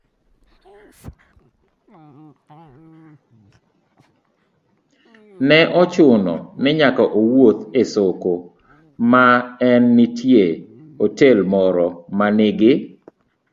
ne ochuno ni nyaka owuoth e soko ma ne nitie otel moro ma nigi